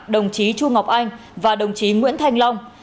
đồng chí chu ngọc anh và đồng chí nguyễn thanh long